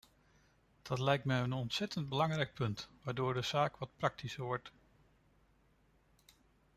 Dat lijkt mij een ontzettend belangrijk punt, waardoor de zaak wat praktischer wordt.